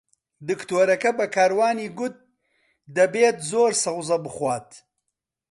دکتۆرەکە بە کاروانی گوت دەبێت زۆر سەوزە بخوات.